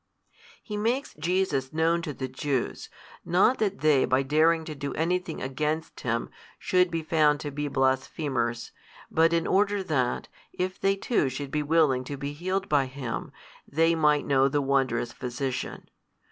He makes Jesus known to the Jews, not that they by daring to do anything against Him should be found to be blasphemers, but in order that, if they too should be willing to be healed by Him, they might know the wondrous Physician.